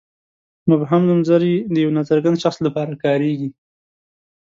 مبهم نومځري د یوه ناڅرګند شخص لپاره کاریږي.